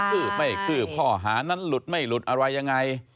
คือไม่คืบข้อหานั้นหลุดไม่หลุดอะไรยังไง